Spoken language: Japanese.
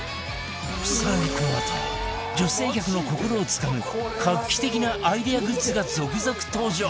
更にこのあと女性客の心をつかむ画期的なアイデアグッズが続々登場！